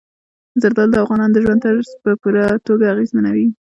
زردالو د افغانانو د ژوند طرز په پوره توګه اغېزمنوي.